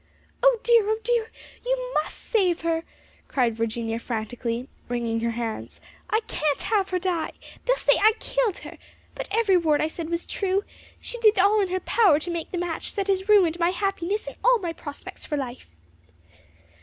"Oh dear! oh dear! you must save her!" cried Virginia frantically, wringing her hands. "I can't have her die. They'll say I killed her! But every word I said was true; she did all in her power to make the match that has ruined my happiness and all my prospects for life."